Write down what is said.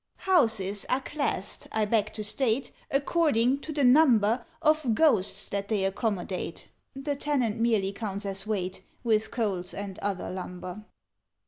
"Houses are classed, I beg to state, According to the number Of Ghosts that they accommodate: (The Tenant merely counts as weight, With Coals and other lumber).